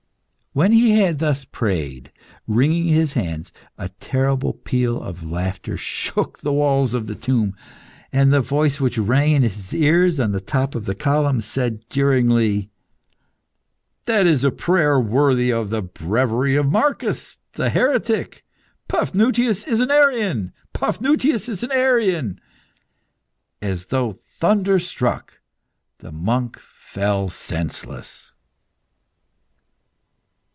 When he had thus prayed, wringing his hands, a terrible peal of laughter shook the walls of the tomb, and the voice which rang in his ears on the top of the column, said jeeringly "That is a prayer worthy of the breviary of Marcus, the heretic. Paphnutius is an Arian! Paphnutius is an Arian!" As though thunderstruck, the monk fell senseless.